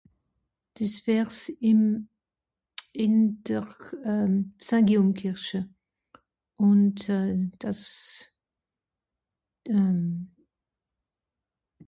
des wärs ìm ìn der euh saint guillaume kìrsche ùnd euh das euh